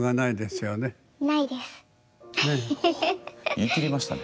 言い切りましたね。